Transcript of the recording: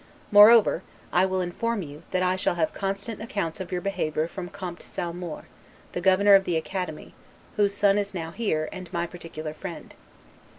Moreover, I will inform you, that I shall have constant accounts of your behavior from Comte Salmour, the Governor of the Academy, whose son is now here, and my particular friend.